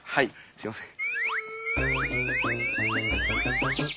すいません。